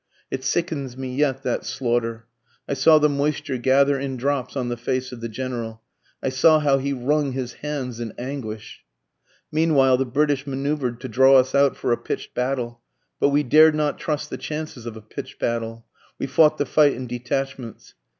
It sickens me yet, that slaughter! I saw the moisture gather in drops on the face of the General. I saw how he wrung his hands in anguish. Meanwhile the British manoeuvr'd to draw us out for a pitch'd battle, But we dared not trust the chances of a pitch'd battle. We fought the fight in detachments.